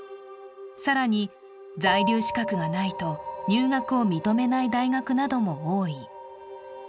更に、在留資格がないと入学を認めない大学なども多い。